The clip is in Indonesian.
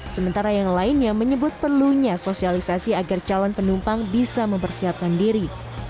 sementara yang lainnya menyebut perlunya sosialisasi agar calon penumpang bisa mempersiapkan diri